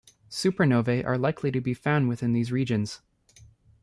Supernovae are likely to be found within these regions.